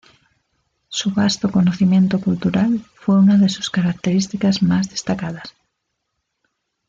Su vasto conocimiento cultural fue una de sus características más destacadas.